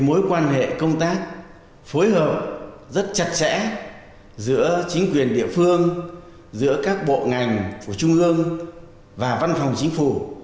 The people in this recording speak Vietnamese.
mối quan hệ công tác phối hợp rất chặt chẽ giữa chính quyền địa phương giữa các bộ ngành của trung ương và văn phòng chính phủ